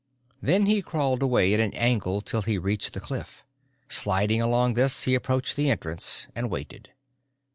Then he crawled away at an angle till he reached the cliff. Sliding along this he approached the entrance and waited.